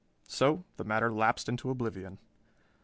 So the matter lapsed into oblivion.